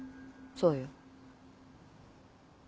そうよ。